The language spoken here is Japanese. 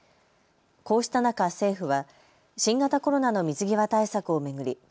こうした中、政府は新型コロナの水際対策を巡り